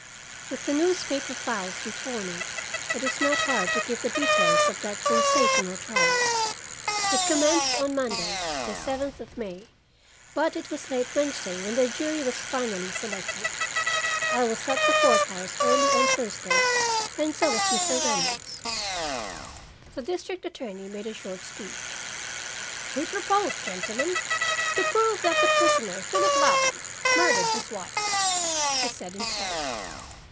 With the newspaper files before me, it is not hard to give the details of that sensational trial. It commenced on Monday, the seventh of May, but it was late Wednesday when the jury was finally selected. I was at the court house early on Thursday, and so was Mr. Reynolds. The district attorney made a short speech. "We propose, gentlemen, to prove that the prisoner, Philip Ladley, murdered his wife," he said in part.